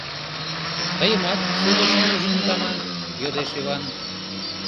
— Тыйымат судыш ӱжыныт аман? — йодеш Иван.